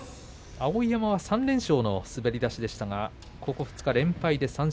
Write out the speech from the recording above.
碧山は３連勝の滑り出しでしたが、この２日間、連敗です。